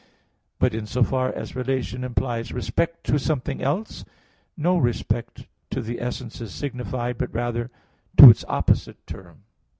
But in so far as relation implies respect to something else, no respect to the essence is signified, but rather to its opposite term.